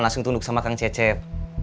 langsung tunduk sama kang cecep